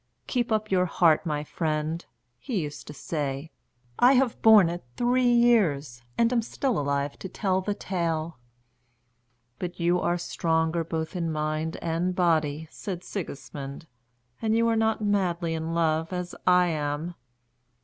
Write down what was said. "Keep up your heart, my friend," he used to say. "I have borne it three years, and am still alive to tell the tale." "But you are stronger both in mind and body," said Sigismund; "and you are not madly in love as I am."